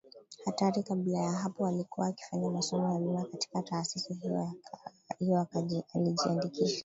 Hatari Kabla ya hapo alikuwa akifanya masomo ya Bima katika Taasisi hiyo hiyo Alijiandikisha